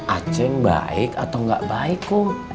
aceh baik atau gak baik